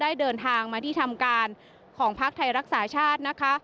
ได้เดินทางมาที่ทำการของภภรองประชาชน์รวมถึง